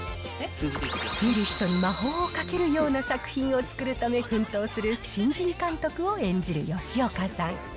見る人に魔法をかけるような作品を作るため奮闘する新人監督を演じる吉岡さん。